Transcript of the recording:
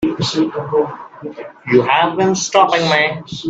You have been stopping me.